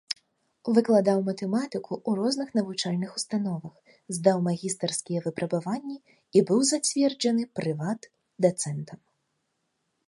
Выкладаў матэматыку ў розных навучальных установах, здаў магістарскія выпрабаванні і быў зацверджаны прыват-дацэнтам.